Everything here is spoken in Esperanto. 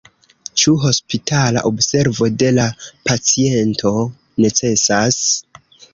Ĉu hospitala observo de la paciento necesas?